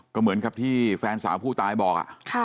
ก็เหมือนกับที่แฟนสาวผู้ตายบอก